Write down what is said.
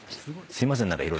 すいません。